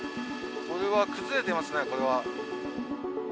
これは崩れてますね、これは。